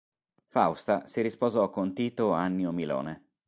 Fausta si risposò con Tito Annio Milone.